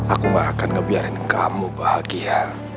aku gak akan ngebiarin kamu bahagia